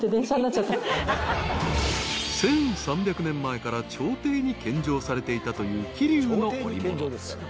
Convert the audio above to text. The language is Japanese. ［１，３００年前から朝廷に献上されていたという桐生の織物］